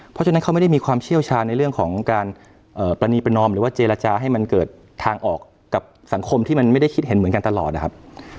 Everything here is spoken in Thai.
เพราะฉะนั้นเขาไม่ได้มีความเชี่ยวชาญในเรื่องของการปรณีประนอมหรือว่าเจรจาให้มันเกิดทางออกกับสังคมที่มันไม่ได้คิดเห็นเหมือนกันตลอดนะครับ